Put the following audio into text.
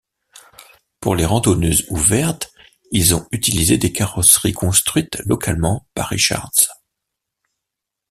Pour les randonneuses ouvertes, ils ont utilisé des carrosseries construites localement par Richards.